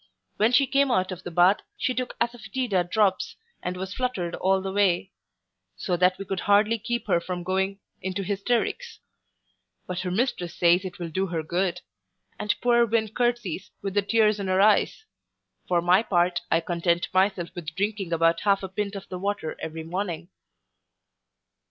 When she came out of the bath, she took assafoetida drops, and was fluttered all day; so that we could hardly keep her from going into hysterics: but her mistress says it will do her good; and poor Win curtsies, with the tears in her eyes. For my part, I content myself with drinking about half a pint of the water every morning.